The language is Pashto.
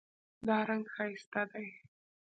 دا رنګ ښایسته دی